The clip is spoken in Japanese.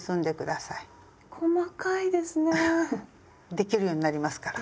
できるようになりますから。